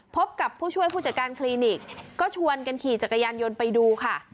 พบกับผู้ช่วยผู้จัดการคลินิกก็ชวนกันขี่จักรยานยนต์ไปดูค่ะ